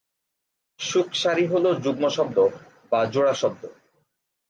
শুক-সারি হলো যুগ্ম শব্দ বা জোড়া শব্দ।